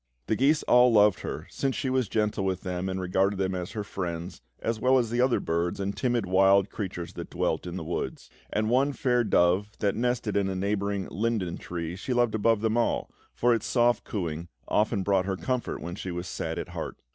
The geese all loved her, since she was gentle with them and regarded them as her friends, as well as the other birds and timid wild creatures that dwelt in the woods; and one fair dove that nested in a neighbouring linden tree, she loved above them all, for its soft cooing often brought her comfort when she was sad at heart.